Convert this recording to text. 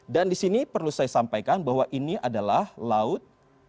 dan di sini perlu saya sampaikan bahwa ini adalah laut